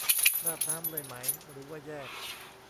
ราดน้ำเลยไหม หรือว่าแยก